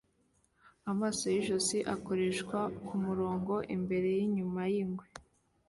Amaso yijisho akoreshwa kumugore imbere yinyuma yingwe